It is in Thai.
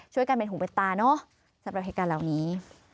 กันเป็นหูเป็นตาเนอะสำหรับเหตุการณ์เหล่านี้